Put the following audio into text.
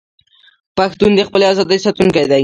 پښتون د خپلې ازادۍ ساتونکی دی.